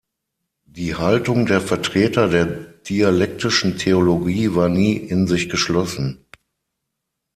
Die Haltung der Vertreter der Dialektischen Theologie war nie in sich geschlossen.